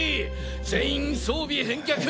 全員装備返却。